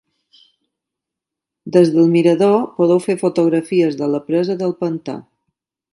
Des del mirador podeu fer fotografies de la presa del pantà.